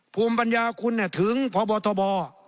ภูมิปัญญาคุณถึงพบทบ